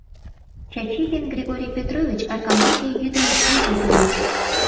Чачи ден Григорий Петрович Аркамбаке йӱдым иже тольыч.